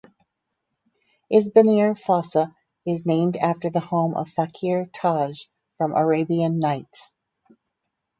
Isbanir Fossa is named after the home of Fakir Taj from Arabian Nights.